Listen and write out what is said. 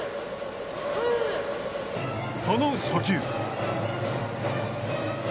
その初球。